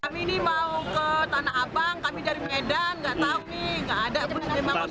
kami ini mau ke tanah abang kami dari medan nggak tahu nih nggak ada bus lima ratus dua